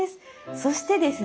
そしてですね